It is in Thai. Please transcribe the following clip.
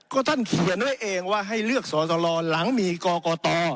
ก็ท่านเขียนไว้เองว่าให้เลือกสอสลหลังมีกรกต